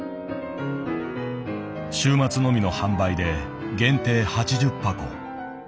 週末のみの販売で限定８０箱。